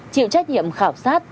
chịu trách nhiệm khảo sát